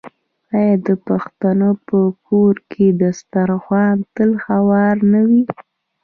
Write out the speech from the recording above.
آیا د پښتنو په کور کې دسترخان تل هوار نه وي؟